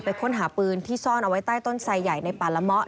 ค้นหาปืนที่ซ่อนเอาไว้ใต้ต้นไซใหญ่ในป่าละเมาะ